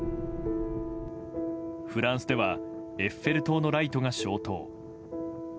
フランスではエッフェル塔のライトが消灯。